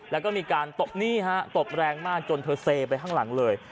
แล้วก็มีการตบนี่ฮะตบแรงมากจนเธอเซไปข้างหลังเลย